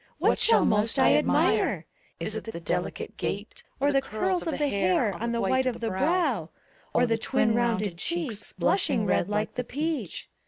What shall most I admire? Is 't the delicate gait, Or the curls of the hair on the white of the brow, Or the twin rounded cheeks, blushing red like the peach.